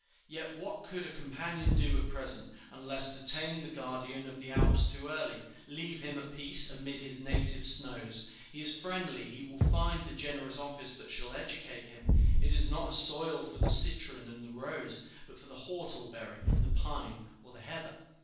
Yet what could a companion do at present, unless to tame the guardian of the Alps too early? Leave him at peace amid his native snows. He is friendly; he will find the generous office that shall educate him. It is not a soil for the citron and the rose, but for the whortleberry, the pine, or the heather.